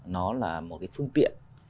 nó là một cái phương tiện